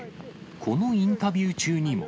このインタビュー中にも。